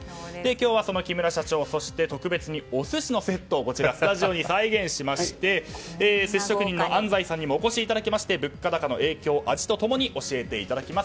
今日はその木村社長そして、特別にお寿司のセットをこちら、スタジオに再現しまして寿司職人の安齋さんにもお越しいただきまして物価高の影響を味と共にお伝えしてまいります。